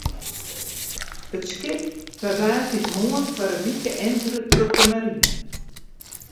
It skip waard woansdeitemoarn foar in wike entere troch de marine.